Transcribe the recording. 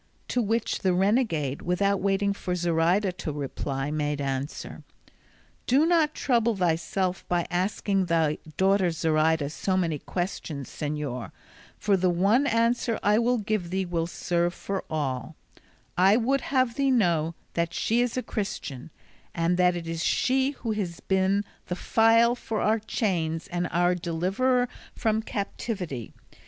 To which the renegade, without waiting for Zoraida to reply, made answer, "Do not trouble thyself by asking thy daughter Zoraida so many questions, señor, for the one answer I will give thee will serve for all; I would have thee know that she is a Christian, and that it is she who has been the file for our chains and our deliverer from captivity.